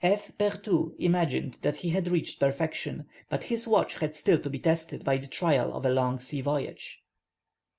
F. Berthould imagined that he had reached perfection, but his watch had still to be tested by the trial of a long sea voyage.